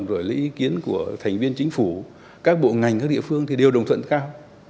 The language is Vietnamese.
rồi lấy ý kiến của thành viên chính phủ các bộ ngành các địa phương thì đều đồng thuận cao